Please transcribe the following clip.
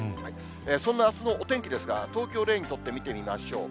そんなあすのお天気ですが、東京を例に取って見てみましょう。